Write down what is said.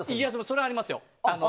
それはありますよ。